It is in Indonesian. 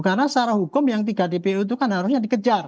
karena secara hukum yang tiga dpo itu kan harusnya dikejar